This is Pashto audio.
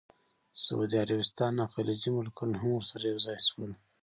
سعودي عربستان او خلیجي ملکونه هم ورسره یوځای شول.